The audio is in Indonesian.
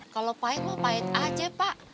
kalau pahit mau pahit aja pak